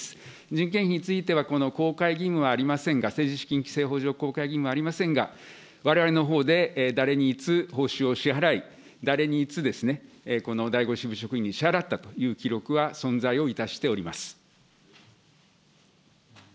人件費については、この公開義務はありませんが、政治資金規正法上、公開義務はありませんが、われわれのほうで、誰にいつ報酬を支払い、誰にいつ、この第５支部職員に支払ったという記録は存在をいたしております。